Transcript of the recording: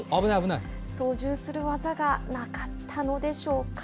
操縦する技がなかったのでしょうか。